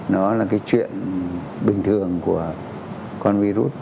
nó là cái chuyện bình thường của con virus